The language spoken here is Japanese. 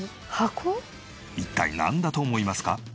一体なんだと思いますか？